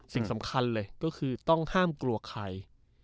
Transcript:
สิ่งสำคัญเลยก็คือต้องห้ามกลัวใคร